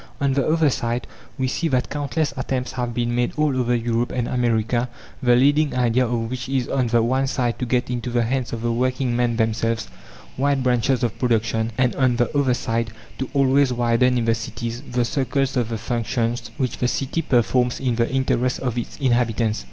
On the other side, we see that countless attempts have been made all over Europe and America, the leading idea of which is, on the one side, to get into the hands of the working men themselves wide branches of production, and, on the other side, to always widen in the cities the circles of the functions which the city performs in the interest of its inhabitants.